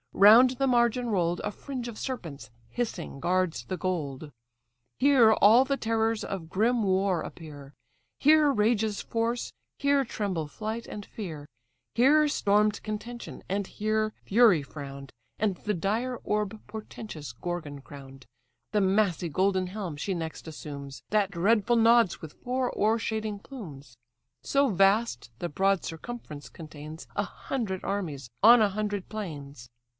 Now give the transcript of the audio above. Round the margin roll'd, A fringe of serpents hissing guards the gold: Here all the terrors of grim War appear, Here rages Force, here tremble Flight and Fear, Here storm'd Contention, and here Fury frown'd, And the dire orb portentous Gorgon crown'd. The massy golden helm she next assumes, That dreadful nods with four o'ershading plumes; So vast, the broad circumference contains A hundred armies on a hundred plains.